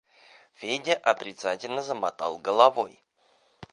Федя отрицательно замотал головой.